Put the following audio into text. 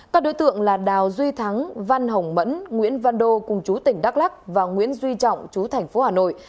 các đối tượng là đào duy thắng văn hồng mẫn nguyễn văn đô cùng chú tỉnh đắk lắc và nguyễn duy trọng chú thành phố hà nội